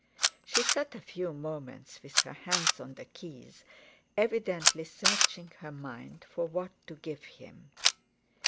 She sat a few moments with her hands on the keys, evidently searching her mind for what to give him.